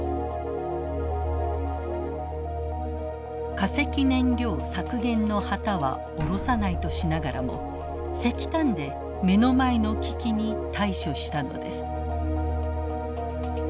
化石燃料削減の旗は降ろさないとしながらも石炭で目の前の危機に対処したのです。